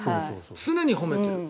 常に褒めてる。